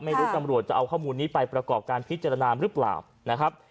ไม่รู้ตำรวจจะเอาข้อมูลนี้ไปประกอบการพิจารณาหรือเปล่านะครับ